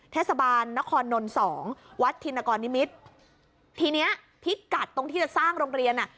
เทศบาลนครนนท์สองวัดธินกรนิมิตรทีเนี้ยพิกัดตรงที่จะสร้างโรงเรียนอ่ะ